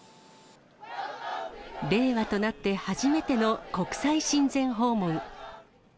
令和となって初めての国際親善訪問。